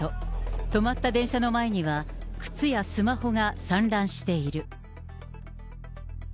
止まった電車の前には、靴やスマホが散乱している。